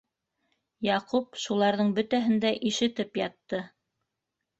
Яҡуп шуларҙың бөтәһен дә ишетеп ятты.